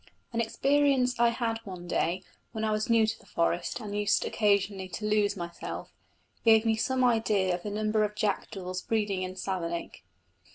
An experience I had one day when I was new to the forest and used occasionally to lose myself, gave me some idea of the numbers of jackdaws breeding in Savernake.